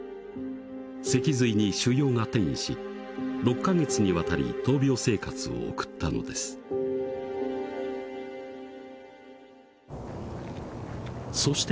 脊髄に腫瘍が転移し６ヵ月にわたり闘病生活を送ったのですそして